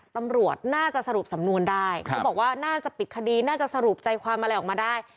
ตำรวจน่าจะสรุปสำนวนได้เขาบอกว่าน่าจะปิดคดีน่าจะสรุปใจความอะไรออกมาได้